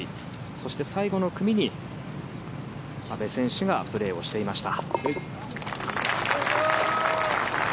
そして最後の組に、阿部選手がプレーをしていました。